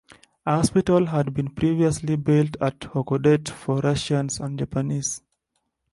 A hospital had been previously built at Hakodate for Russians and Japanese.